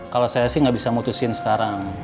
kalau saya sih nggak bisa mutusin sekarang